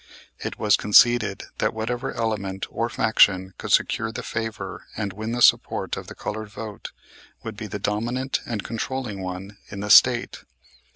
It was conceded that whatever element or faction could secure the favor and win the support of the colored vote would be the dominant and controlling one in the State.